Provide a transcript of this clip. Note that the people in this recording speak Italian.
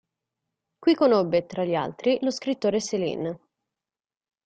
Qui conobbe, tra gli altri, lo scrittore Céline.